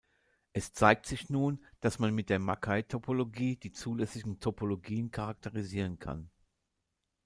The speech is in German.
Es zeigt sich nun, dass man mit der Mackey-Topologie die zulässigen Topologien charakterisieren kann.